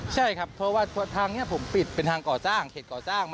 ใช่ครับเพราะว่าทางนี้ผมปิดเป็นทางก่อสร้างเขตก่อสร้าง